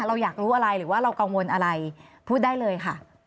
เราอยากรู้อะไรหรือว่าเรากังวลอะไรพูดได้เลยค่ะ